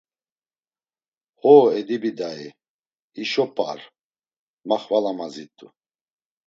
Ho Edibi Dai, hişo p̌ar, ma xvala mazit̆u.